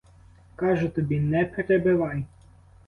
Кажу тобі — не перебивай!